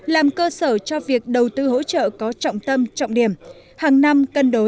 làm cơ sở cho việc đầu tư hỗ trợ có trọng tâm trọng điểm